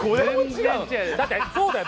だってそうだよ。